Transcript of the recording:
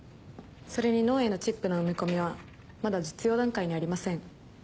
それに脳へのチップの埋め込みはまだ実用段階にありません。